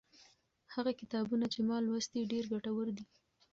هغه کتابونه چې ما لوستي، ډېر ګټور دي.